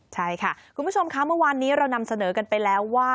ใช่ค่ะคุณผู้ชมค่ะเมื่อวานนี้เรานำเสนอกันไปแล้วว่า